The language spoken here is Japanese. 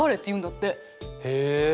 へえ。